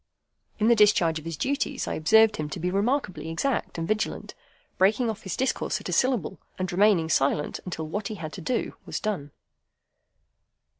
In the discharge of his duties, I observed him to be remarkably exact and vigilant, breaking off his discourse at a syllable, and remaining silent until what he had to do was done.